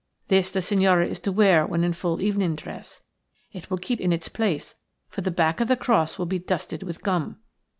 This the signora is to wear when in full evening dress. It will keep in its place, for the back of the cross will be dusted with gum."